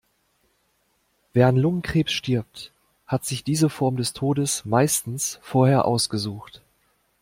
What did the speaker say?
Wer an Lungenkrebs stirbt, hat sich diese Form des Todes meistens vorher ausgesucht.